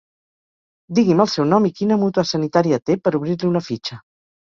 Digui'm el seu nom i quina mútua sanitària té, per obrir-li una fitxa.